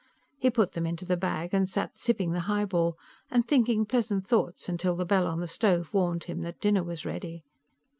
He put them into the bag and sat sipping the highball and thinking pleasant thoughts until the bell on the stove warned him that dinner was ready.